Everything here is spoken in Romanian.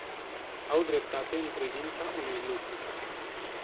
Au dreptate în privința unui lucru.